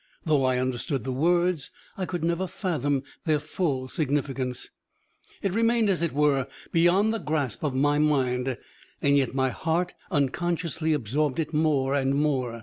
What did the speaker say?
Though I understood the words I could never fathom their full significance. It remained, as it were, beyond the grasp of my mind, yet my heart unconsciously absorbed it more and more.